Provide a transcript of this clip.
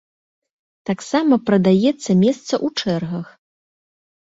Таксама прадаецца месца ў чэргах.